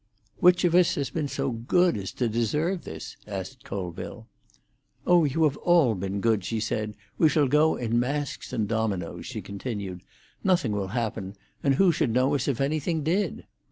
"Which of us has been so good as to deserve this?" asked Colville. "Oh, you have all been good," she said. "We shall go in masks and dominoes," she continued. "Nothing will happen, and who should know us if anything did?"